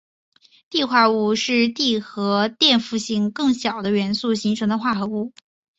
锑化物是锑和电负性更小的元素形成的化合物。